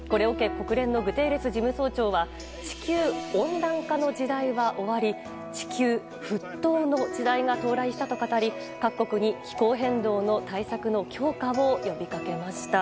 国連のグテーレス事務総長は地球温暖化の時代は終わり地球沸騰の時代が到来したと語り各国に気候変動対策の強化を呼びかけました。